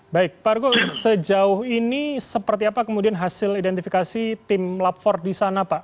baik pak argo sejauh ini seperti apa kemudian hasil identifikasi tim lab empat di sana pak